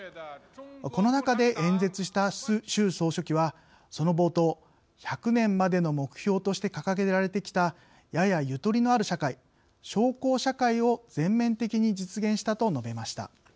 この中で演説した習総書記はその冒頭「１００年までの目標として掲げられてきたややゆとりのある社会小康社会を全面的に実現した」と述べました。